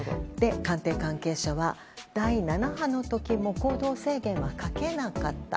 官邸関係者は第７波の時も行動制限はかけなかった。